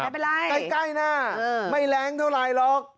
ไม่เป็นไรใกล้น่ะไม่แรงเท่าไหร่หรอก